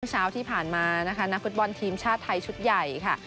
เช้าที่ผ่านมานะคะนักฟุตบอลทีมชาติไทยชุดใหญ่ค่ะ